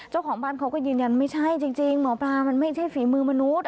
เจ้าของบ้านเขาก็ยืนยันไม่ใช่จริงหมอปลามันไม่ใช่ฝีมือมนุษย์